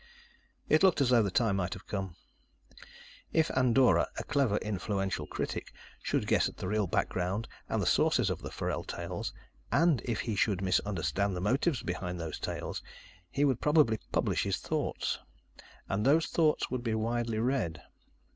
"_ It looked as though the time might have come. If Andorra, a clever, influential critic, should guess at the real background and the sources of the Forell tales, and if he should misunderstand the motives behind those tales, he would probably publish his thoughts. And those thoughts would be widely read.